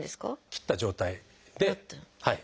切った状態ではい。